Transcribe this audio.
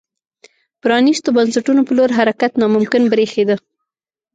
پرانیستو بنسټونو په لور حرکت ناممکن برېښېده.